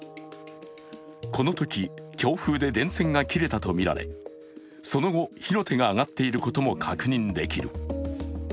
このとき、強風で電線が切れたとみられその後、火の手が上がっていることも確認できる。